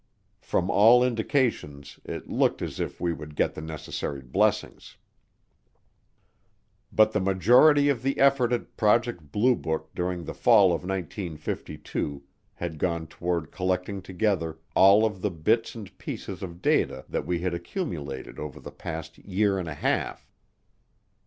From all indications it looked as if we would get the necessary blessings. But the majority of the effort at Project Blue Book during the fall of 1952 had gone toward collecting together all of the bits and pieces of data that we had accumulated over the past year and a half.